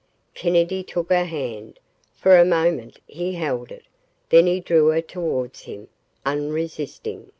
Kennedy took her hand. For a moment he held it. Then he drew her towards him, unresisting.